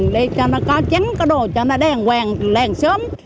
để cho nó có chắn có đồ cho nó đàng hoàng đàng sớm